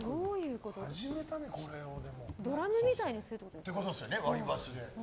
ドラムみたいにするってことですかね。